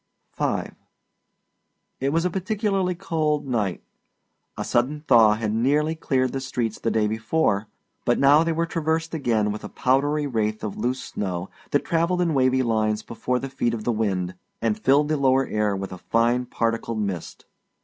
V It was a particularly cold night. A sudden thaw had nearly cleared the streets the day before, but now they were traversed again with a powdery wraith of loose snow that travelled in wavy lines before the feet of the wind, and filled the lower air with a fine particled mist.